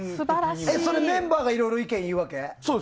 メンバーがいろいろ意見言うわけ？